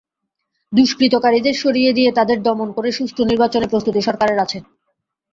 দুষ্কৃতকারীদের সরিয়ে দিয়ে তাদের দমন করে সুষ্ঠু নির্বাচনে প্রস্তুতি সরকারের আছে।